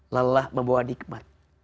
lalah membawa nikmat